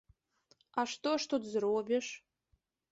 А што ж тут зробіш?